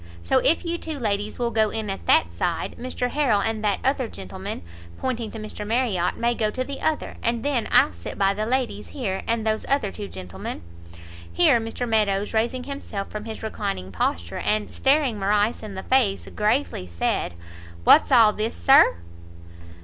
So if you two ladies will go in at that side, Mr Harrel and that other gentleman," pointing to Mr Marriot, "may go to the other, and then I'll sit by the ladies here, and those other two gentlemen " Here Mr Meadows, raising himself from his reclining posture, and staring Morrice in the face, gravely said, "What's all this, Sir!"